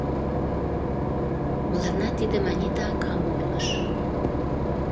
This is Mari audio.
Мыланна тидым Анита акам ойлыш.